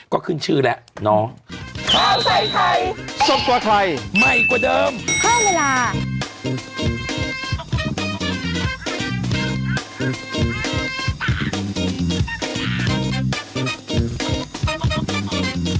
ก็ขึ้นชื่อแหละน้อง